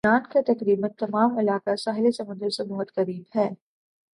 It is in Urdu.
لبنان کا تقریباً تمام علاقہ ساحل سمندر سے بہت قریب ہے